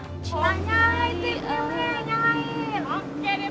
oh nyai tim ini nyai